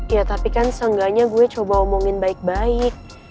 ya tapi kan seenggaknya gue coba omongin baik baik